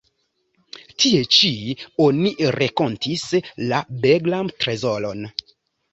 Tie ĉi oni renkontis la Begram-Trezoron.